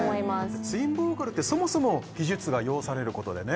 ツインボーカルってそもそも技術が要されることだよね